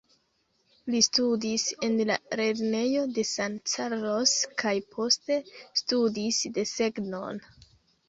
Li studis en la lernejo de San Carlos kaj poste studis desegnon.